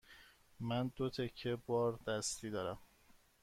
من دو تکه بار دستی دارم.